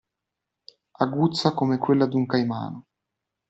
Aguzza come quella d'un caimano.